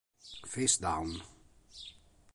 Face Down